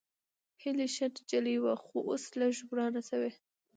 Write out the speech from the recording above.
هېلۍ ښه نجلۍ وه، خو اوس لږ ورانه شوې